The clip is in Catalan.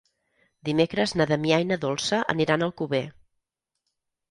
Dimecres na Damià i na Dolça aniran a Alcover.